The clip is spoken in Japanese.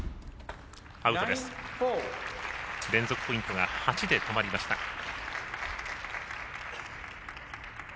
連続ポイントが８で止まりました。